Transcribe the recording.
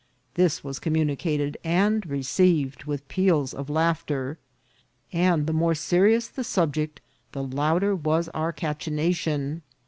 This was communicated and received with peals of laughter ; and the more serious the subject, the louder was our cachinnation.